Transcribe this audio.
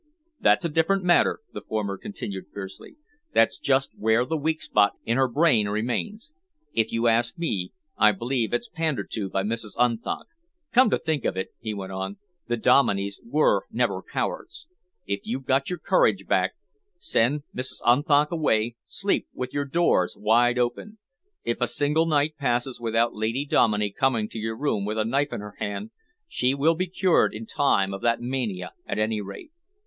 "That's a different matter," the former continued fiercely. "That's just where the weak spot in her brain remains. If you ask me, I believe it's pandered to by Mrs. Unthank. Come to think of it," he went on, "the Domineys were never cowards. If you've got your courage back, send Mrs. Unthank away, sleep with your doors wide open. If a single night passes without Lady Dominey coming to your room with a knife in her hand, she will be cured in time of that mania at any rate.